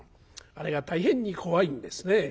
あれが大変に怖いんですね。